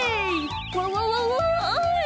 わわわわい。